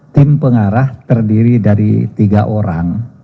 tim pengarah terdiri dari tiga orang